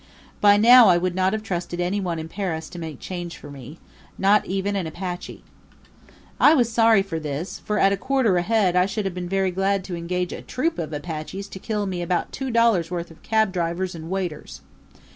By now I would not have trusted anyone in Paris to make change for me not even an Apache. I was sorry for this, for at a quarter a head I should have been very glad to engage a troupe of Apaches to kill me about two dollars' worth of cabdrivers and waiters.